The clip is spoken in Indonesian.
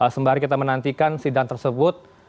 sembari kita menantikan sidang tersebut